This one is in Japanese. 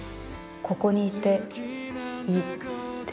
ここにいていいって。